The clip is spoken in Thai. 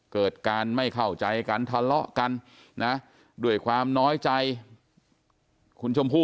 เกิดการไม่เข้าใจกันทะเลาะกันนะด้วยความน้อยใจคุณชมพู่